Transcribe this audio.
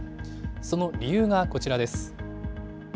その理由がこちらです。